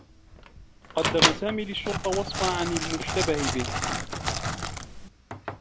قدّم سامي للشّرطة وصفا عن المشتبه به.